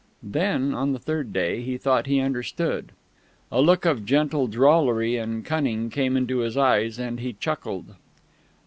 Then on the third day he thought he understood. A look of gentle drollery and cunning came into his eyes, and he chuckled.